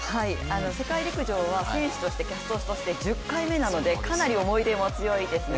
世界陸上は選手としてキャスターとして１０回目なのでかなり思い入れも強いですね。